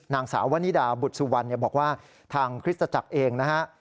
นางสาววนิดาบุตรสุวรรณบอกว่าทางคริสตจักรเองนะฮะ